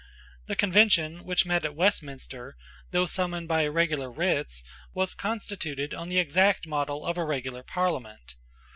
The Convention which met at Westminster, though summoned by irregular writs, was constituted on the exact model of a regular Parliament.